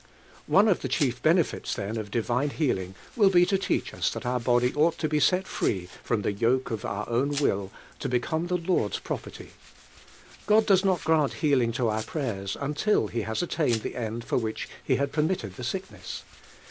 One of the chief benefits then of divine healing will be to leach us that our body ought to be set free from the yoke of our dvvii will to become the Lord's property. Glod does not grant healing to our prayers nnlil lie has attained the end for which lb.' had permitted the sickness.